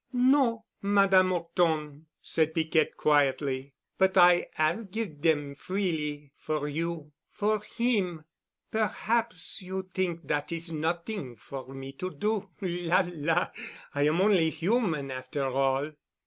"No, Madame 'Orton," said Piquette quietly, "but I 'ave give' dem freely, for you—for heem. Perhaps you t'ink dat is not'ing for me to do. La, la. I am only human after all."